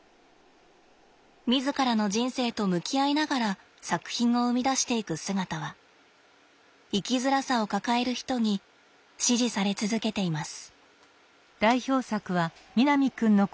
自らの人生と向き合いながら作品を生み出していく姿は生きづらさを抱える人に支持され続けています。